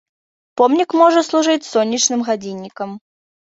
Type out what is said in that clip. Помнік можа служыць сонечным гадзіннікам.